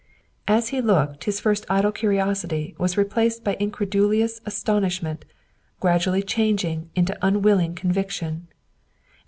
As he looked his first idle curiosity was re placed by incredulous astonishment, gradually changing into unwilling conviction.